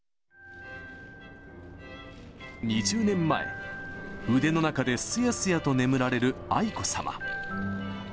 ２０年前、腕の中ですやすやと眠られる愛子さま。